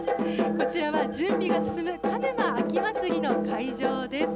こちらは準備が進む鹿沼秋まつりの会場です。